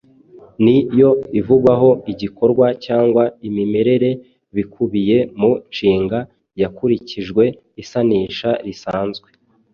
Ni yo ivugwaho igikorwa cyangwa imimerere bikubiye mu nshinga hakurikijwe isanisha risanzwe.